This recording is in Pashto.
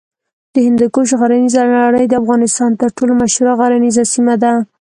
د هندوکش غرنیزه لړۍ د افغانستان تر ټولو مشهوره غرنیزه سیمه ده.